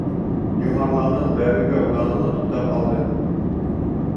Йомарламын бәрергә уйланы ла, туҡтап ҡалды.